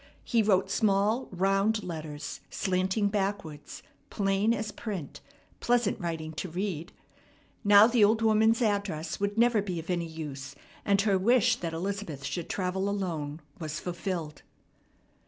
He wrote small, round letters, slanting backwards, plain as print, pleasant writing to read. Now the old woman's address would never be of any use, and her wish that Elizabeth should travel alone was fulfilled.